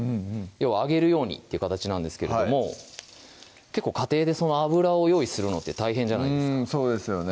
要は揚げるようにっていう形なんですけれども結構家庭でその油を用意するのは大変じゃないですかうんそうですよね